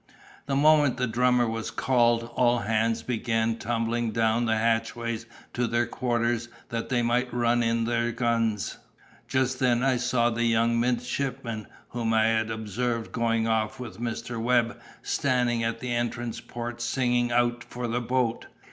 The moment the drummer was called, all hands began tumbling down the hatchways to their quarters, that they might run in their guns. Just then I saw a young midshipman, whom I had observed going off with Mr. Webb, standing at the entrance port singing out for the boat.